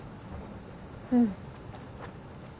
うん。